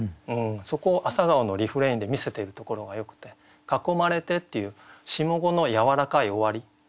そこを「朝顔」のリフレインで見せているところがよくて「囲まれて」っていう下五のやわらかい終わり。